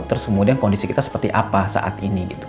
terus kemudian kondisi kita seperti apa saat ini